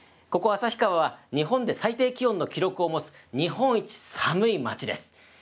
ここ、旭川は日本で最低気温の記録を持つ、日本一寒い町です。